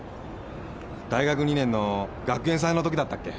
大学２年の学園祭のときだったっけ？